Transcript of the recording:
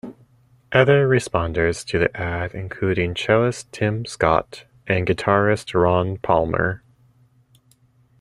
Other responders to the ad included cellist Tim Scott and guitarist Ron Palmer.